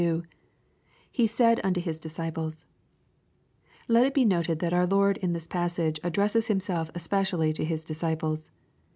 — [He said tmto His disdples^ Let it be noted that our Lord in this passage addresses Himself especially to His disciples.